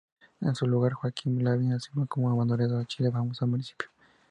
En su lugar, Joaquín Lavín asumió como abanderado de Chile Vamos al municipio.